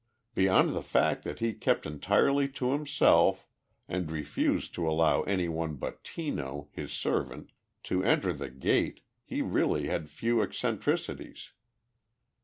Beyond the fact that he kept entirely to himself and refused to allow anyone but Tino, his servant, to enter the gate, he really had few eccentricities.